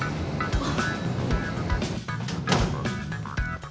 あっ。